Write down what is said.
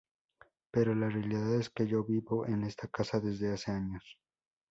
Pero la realidad es que yo vivo en esta casa desde hace años.